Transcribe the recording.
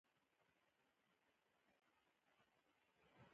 بربران دعوه کوي چې له آره یهود دي.